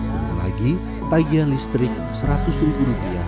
dan lagi tagihan listrik seratus ribu rupiah